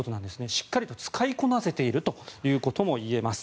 しっかりと使いこなせているということもいえます。